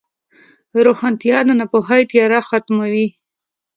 روښانتیا د ناپوهۍ تیاره ختموي.